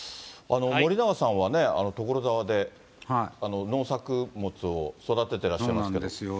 森永さんはね、所沢で農作物を育ててらっしゃいますけど。